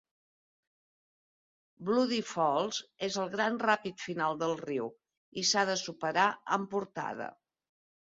Bloody Falls és el gran ràpid final del riu, i s'ha de superar amb portada.